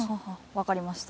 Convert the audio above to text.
分かりました